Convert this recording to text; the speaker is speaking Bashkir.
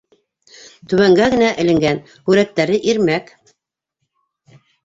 Түбәнгә генә эленгән, һүрәттәре ирмәк...